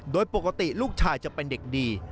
โดยปกติลูกชายจะเป็นเด็กดี